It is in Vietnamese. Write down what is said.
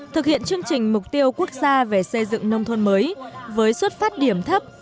thực hiện chương trình mục tiêu quốc gia về xây dựng nông thôn mới với xuất phát điểm thấp